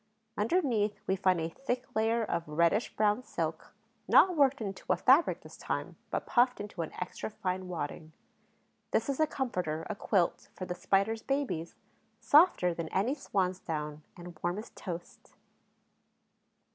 Underneath, we find a thick layer of reddish brown silk, not worked into a fabric this time, but puffed into an extra fine wadding. This is a comforter, a quilt, for the Spider's babies, softer than any swan's down and warm as toast.